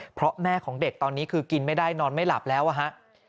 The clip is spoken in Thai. เพราะแม่ของเด็กตอนนี้คือกินไม่ได้นอนไม่หลับแล้วอะฮะ